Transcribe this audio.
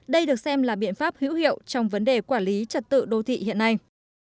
đây được xem là biện pháp hữu hiệu trong vấn đề quản lý trật tự đô thị hiện nay